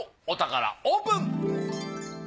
お宝オープン！